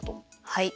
はい。